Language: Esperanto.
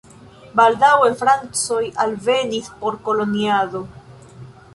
Baldaŭe francoj alvenis por koloniado.